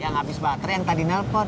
yang habis baterai yang tadi nelpot